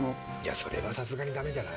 それは、さすがに駄目じゃない？